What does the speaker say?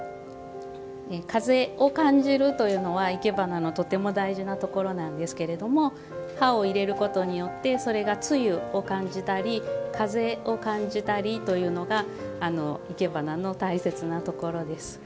風を感じるというのは生け花のとても大事なところなんですが葉を入れることによってそれが露を感じたり風を感じたりというのが生け花の大切なところです。